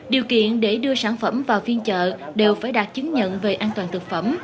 điều kiện để đưa sản phẩm vào phiên chợ đều phải đạt chứng nhận về an toàn thực phẩm